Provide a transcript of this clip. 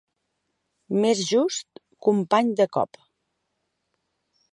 Més just que un pany de cop.